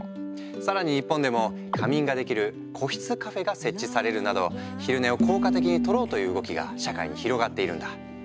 更に日本でも仮眠ができる個室カフェが設置されるなど昼寝を効果的にとろうという動きが社会に広がっているんだ。